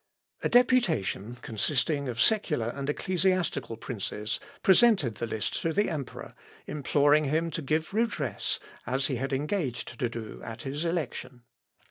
A deputation, consisting of secular and ecclesiastical princes, presented the list to the emperor, imploring him to give redress, as he had engaged to do at his election.